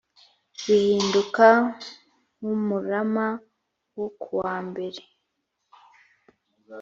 bihinduka nk umurama wo kuwambere